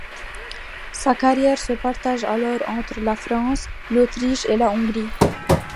Sa carrière se partage alors entre la France, l'Autriche et la Hongrie.